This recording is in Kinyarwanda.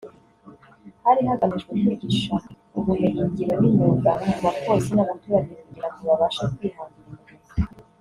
Hari hagamijwe kwigisha ubumenyingiro n’imyuga ku bapolisi n’abaturage kugira ngo babashe kwihangira imirimo